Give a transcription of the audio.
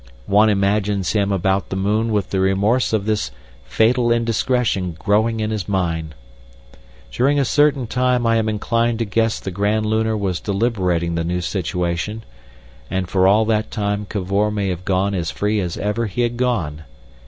One imagines him about the moon with the remorse of this fatal indiscretion growing in his mind. During a certain time I am inclined to guess the Grand Lunar was deliberating the new situation, and for all that time Cavor may have gone as free as ever he had gone.